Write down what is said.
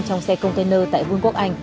trong xe container tại vương quốc anh